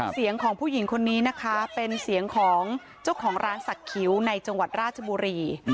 เสียงของผู้หญิงคนนี้นะคะเป็นเสียงของเจ้าของร้านสักคิ้วในจังหวัดราชบุรี